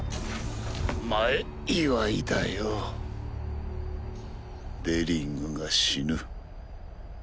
前祝いだよデリングが死ぬ。